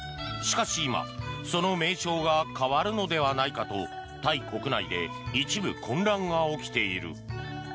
しかし今、その名称が変わるのではないかとタイ国内で一部混乱が起きている。